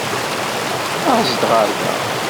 Aẓ-d ɣer da!